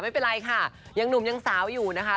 ไม่เป็นไรค่ะยังหนุ่มยังสาวอยู่นะคะ